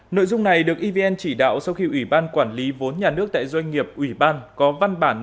nội dung này được evn chỉ đạo sau khi ủy ban quản lý vốn nhà nước tại doanh nghiệp ủy ban